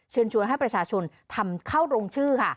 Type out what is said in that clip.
ชวนให้ประชาชนทำเข้าโรงชื่อค่ะ